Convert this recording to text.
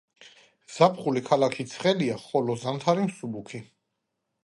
ზაფხული ქალაქში ცხელია, ხოლო ზამთარი მსუბუქი.